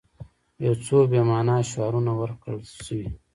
یو څو بې معنا شعارونه ورکړل شوي.